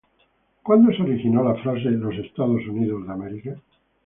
¿Cuándo se originó la frase “Los Estados Unidos de América”?